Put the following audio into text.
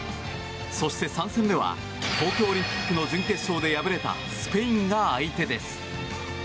そして３戦目は東京オリンピックの準決勝で敗れたスペインが相手です。